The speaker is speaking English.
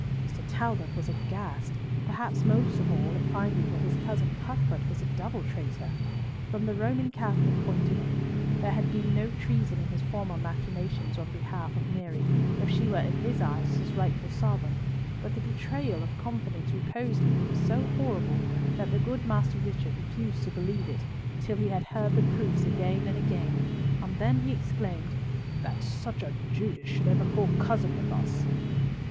Mr. Talbot was aghast, perhaps most of all at finding that his cousin Cuthbert was a double traitor. From the Roman Catholic point of view, there had been no treason in his former machinations on behalf of Mary, if she were in his eyes his rightful sovereign, but the betrayal of confidence reposed in him was so horrible that the good Master Richard refused to believe it, till he had heard the proofs again and again, and then he exclaimed, "That such a Judas should ever call cousin with us!"